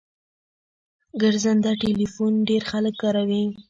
ګرځنده ټلیفون ډیر خلګ کاروي